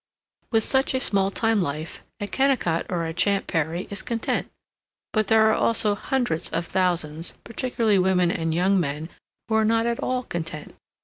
With such a small town life a Kennicott or a Champ Perry is content, but there are also hundreds of thousands, particularly women and young men, who are not at all content.